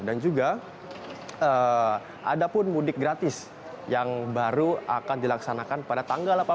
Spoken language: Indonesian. dan juga ada pun mudik gratis yang baru akan dilaksanakan pada tanggal delapan april